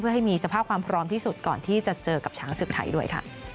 ให้มีสภาพความพร้อมที่สุดก่อนที่จะเจอกับช้างศึกไทยด้วยค่ะ